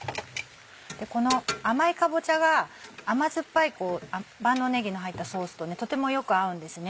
この甘いかぼちゃが甘酸っぱい万能ねぎの入ったソースととてもよく合うんですね。